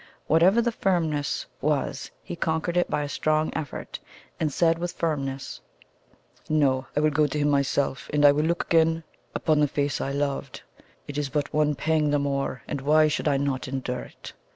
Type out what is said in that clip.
Whatever the feeling was he conquered it by a strong effort, and said with firmness: "No; I will go to him myself. And I will look again upon upon the face I loved. It is but one pang the more, and why should I not endure it?"